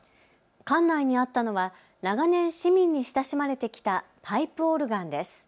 館内にあったのは長年市民に親しまれてきたパイプオルガンです。